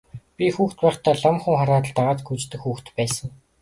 Би хүүхэд байхдаа лам хүн хараад л дагаад гүйчихдэг хүүхэд байсан.